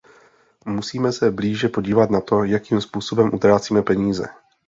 Musíme se blíže podívat na to, jakým způsobem utrácíme peníze.